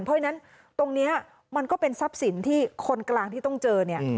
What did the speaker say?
เพราะฉะนั้นตรงนี้มันก็เป็นทรัพย์สินที่คนกลางที่ต้องเจอเนี่ย